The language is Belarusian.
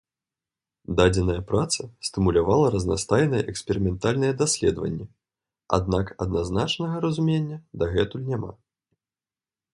Дадзеная праца стымулявала разнастайныя эксперыментальныя даследаванні, аднак адназначнага разумення дагэтуль няма.